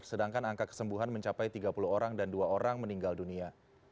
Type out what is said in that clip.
sedangkan angka kesembuhan mencapai tiga puluh orang dan dua orang meninggal dunia